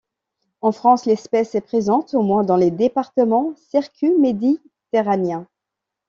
En France, l'espèce est présente au moins dans les départements circumméditerranéens.